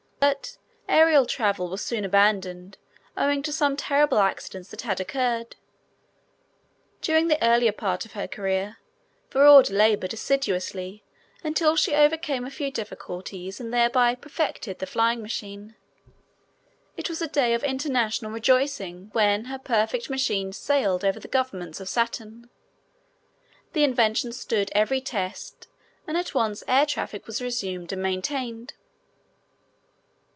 But aerial travel was soon abandoned owing to some terrible accidents that had occurred. During the earlier part of her career Veorda labored assiduously until she overcame a few difficulties and thereby perfected the flying machine. [Illustration: An Air Ship on Saturn.] It was a day of international rejoicing when her perfected machine sailed over the governments of Saturn. The invention stood every test and at once air traffic was resumed and maintained.